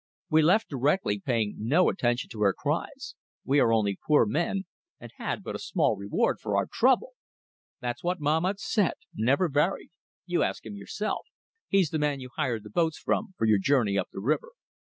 We left directly, paying no attention to her cries. We are only poor men and had but a small reward for our trouble!' That's what Mahmat said. Never varied. You ask him yourself. He's the man you hired the boats from, for your journey up the river."